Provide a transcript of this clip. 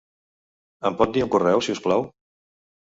Em pot dir un correu, si us plau?